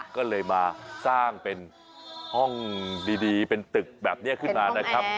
ก็เลยมาสร้างเป็นห้องดีเป็นตึกแบบนี้ขึ้นมานะครับ